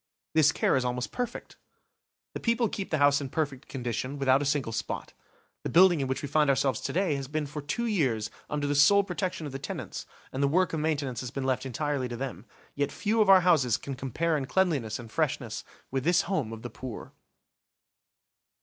This care is almost perfect. The people keep the house in perfect condition, without a single spot. The building in which we find ourselves to day has been for two years under the sole protection of the tenants, and the work of maintenance has been left entirely to them. Yet few of our houses can compare in cleanliness and freshness with this home of the poor.